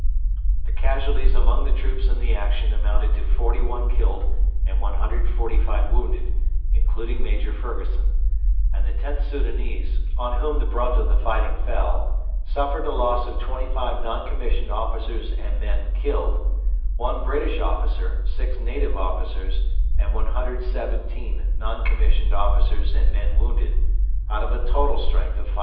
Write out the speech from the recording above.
The casualties among the troops in the action amounted to 41 killed and 145 wounded, including Major Fergusson; and the Xth Soudanese, on whom the brunt of the fighting fell, suffered a loss of 25 non commissioned officers and men killed, 1 British officer, 6 native officers, and 117 non commissioned officers and men wounded, out of a total strength of 511.